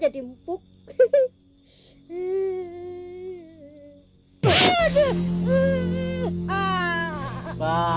saya negro bernama